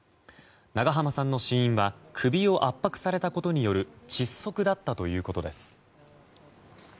長濱さんの死因は首を圧迫されたことによる窒息だったということです。